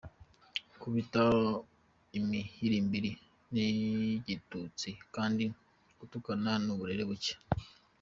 Kubita imihirimbiri ni igitutsi kandi gutukana ni uburere buke.